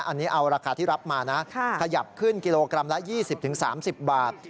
อันนี้เอาราคาที่รับมานะขยับขึ้นกิโลกรัมละ๒๐๓๐บาท